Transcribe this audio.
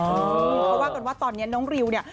เขาว่ากันว่าตอนนี้น้องริวเนี่ย